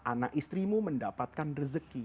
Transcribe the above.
anak istrimu mendapatkan rezeki